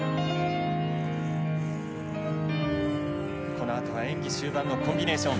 このあとは演技終盤のコンビネーション。